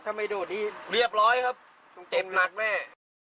ถ้าไม่โดดนี้เรียบร้อยครับต้องเจ็บหนักแม่